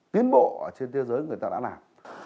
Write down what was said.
tiến bộ trên thế giới người ta đã làm